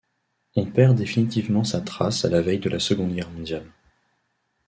On perd définitivement sa trace à la veille de la seconde guerre mondiale.